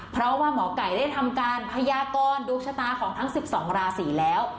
เพราะว่าหมอไก่ได้ทำการพยากรดวงชะตาของทั้ง๑๒ราศีแล้ว